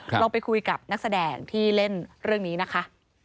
เราไปคุยกับนักแสดงที่เล่นเรื่องนี้นะคะ